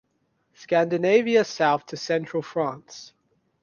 Scandinavia South to central France.